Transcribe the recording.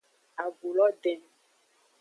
Agu lo den.